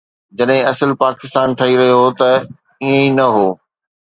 جڏهن اصل پاڪستان ٺهي رهيو هو ته ائين نه هو.